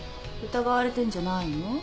疑われてるんじゃないの？